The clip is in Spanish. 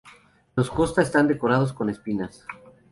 Los costa están decorados con espinas.